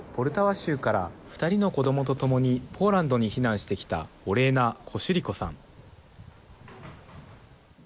州から２人の子どもと共にポーランドに避難してきたオレーナ・コシュリコさん。